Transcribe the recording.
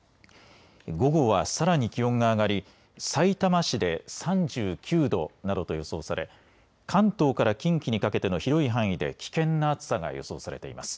午後はさらに気温が上がりさいたま市で３９度などと予想され関東から近畿にかけての広い範囲で危険な暑さが予想されています。